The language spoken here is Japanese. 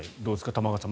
玉川さん。